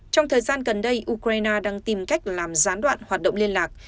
trong thời gian gần đây ukraine đang tìm cách làm gián đoạn hoạt động liên lạc